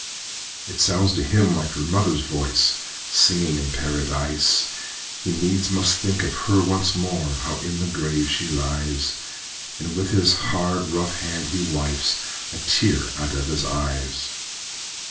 It sounds to him like her mother's voice, Singing in Paradise! He needs must think of her once more How in the grave she lies; And with his hard, rough hand he wipes A tear out of his eyes.